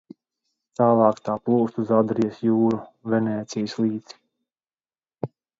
Tālāk tā plūst uz Adrijas jūru, Venēcijas līci.